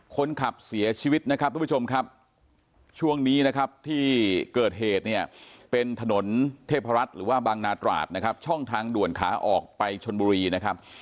คนขับเสียชีวิตนะครับทุกผู้ชมครับช่วงนี้นะครับที่เกิดเหตุเนี่ยเป็นถนนเทพรัฐหรือว่าบางนาตราดนะครับช่องทางด่วนขาออกไปชนบุรีนะครับ